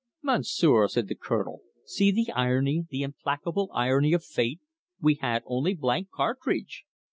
"Monsieur," said the Colonel, "see the irony, the implacable irony of fate we had only blank cartridge!